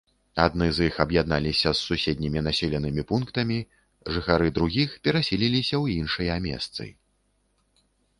Адны з іх аб'ядналіся з суседнімі населенымі пунктамі, жыхары другіх перасяліліся ў іншыя месцы.